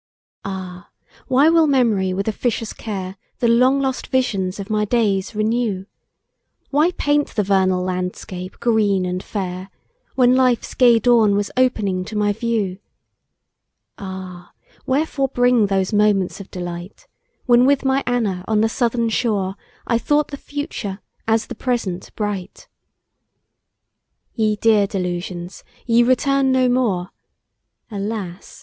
G. AH! why will Mem'ry with officious care The long lost visions of my days renew? Why paint the vernal landscape green and fair, When life's gay dawn was opening to my view? Ah! wherefore bring those moments of delight, When with my Anna, on the southern shore, I thought the future, as the present bright? Ye dear delusions! ye return no more! Alas!